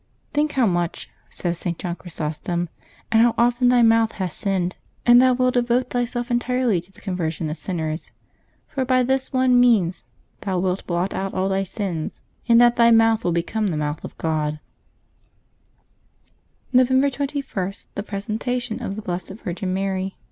—^' Think how much," says St. John Chrys ostom, " and how often thv mouth has sinned, and thou NovEMBEE 22] LIVES OF THE SAINTS 363 wilt devote thyself entirely to the conversion of sinners. For by this one means thou wilt blot out all thy sins, in that thy mouth will become the mouth of God/' November 21.— THE PRESENTATION OF THE BLESSED VIRGIN MARY.